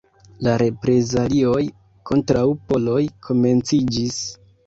La reprezalioj kontraŭ poloj komenciĝis.